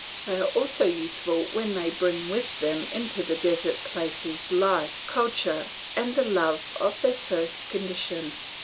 They are also useful when they can bring with them into the desert places life, culture, and the love of their first condition.